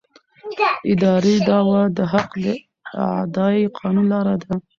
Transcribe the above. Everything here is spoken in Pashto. اداري دعوه د حق د اعادې قانوني لاره ده.